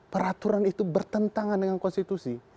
peraturan itu bertentangan dengan konstitusi